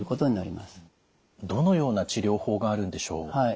どのような治療法があるんでしょう？